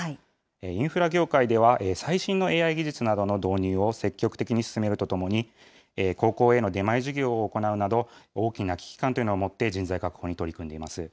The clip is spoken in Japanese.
インフラ業界では最新のＡＩ技術などの導入を積極的に進めるとともに、高校への出前授業を行うなど、大きな危機感というのを持って人材確保に取り組んでいます。